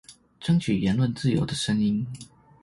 爭取言論自由的聲音